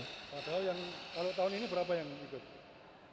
padahal yang kalau tahun ini berapa yang ikut